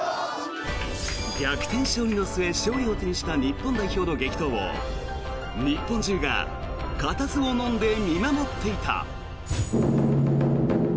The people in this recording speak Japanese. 逆転勝利の末、勝利を手にした日本代表の激闘を日本中がかたずをのんで見守っていた。